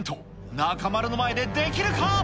中丸の前でできるか。